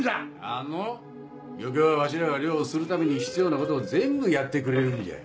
あんの漁協はわしらが漁をするために必要なことを全部やってくれるんじゃ。